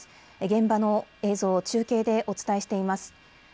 現場の映像を中継でお伝えしています。